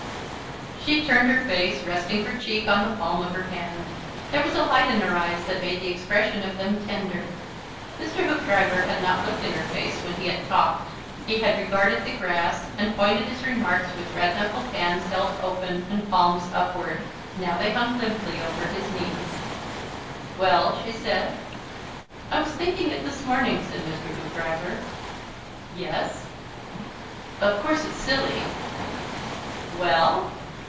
She turned her face, resting her cheek on the palm of her hand. There was a light in her eyes that made the expression of them tender. Mr. Hoopdriver had not looked in her face while he had talked. He had regarded the grass, and pointed his remarks with redknuckled hands held open and palms upwards. Now they hung limply over his knees. "Well?" she said. "I was thinking it this morning," said Mr. Hoopdriver. "Yes?" "Of course it's silly." "Well?"